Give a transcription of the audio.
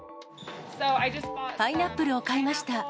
パイナップルを買いました。